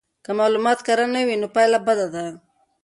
که معلومات کره نه وي نو پایله بده ده.